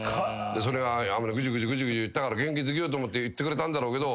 それがグチグチグチグチ言ったから元気づけようと思って言ってくれたんだろうけど。